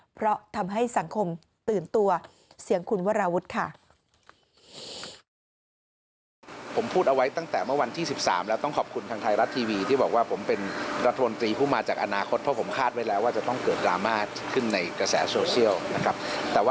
เพราะทำให้สังคมตื่นตัว